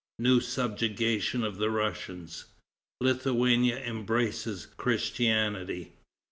New Subjugation of the Russians. Lithuania Embraces Christianity.